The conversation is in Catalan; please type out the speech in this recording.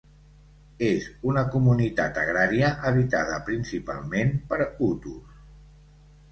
És una comunitat agrària habitada principalment per hutus.